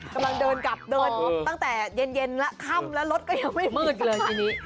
กำลังเดินกลับเดินตั้งแต่เย็นแล้วค่ำแล้วรถก็ยังไม่มืดเลยทีนี้